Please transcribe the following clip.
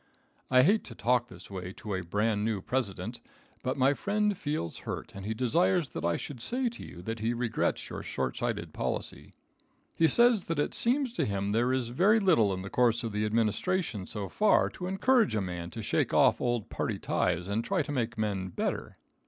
I hate to talk this way to a bran new President, but my friend feels hurt and he desires that I should say to you that he regrets your short sighted policy. He says that it seems to him there is very little in the course of the administration so far to encourage a man to shake off old party ties and try to make men better.